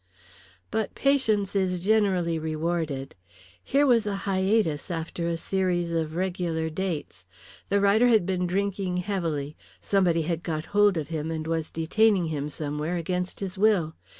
But patience is generally rewarded. Here was a hiatus after a series of regular dates. The writer had been drinking heavily, somebody had got hold of him, and was detaining him somewhere against his will.